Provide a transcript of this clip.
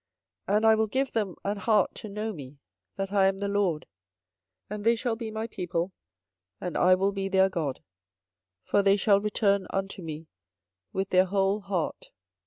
24:024:007 And I will give them an heart to know me, that I am the LORD: and they shall be my people, and I will be their God: for they shall return unto me with their whole heart.